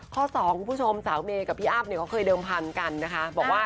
ข้อสองคุณผู้ชมสาวอัพพี่เมย์กับพี่อ้ำเคยเริ่มพันธุ์การบอกว่า